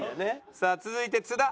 さあ続いて津田。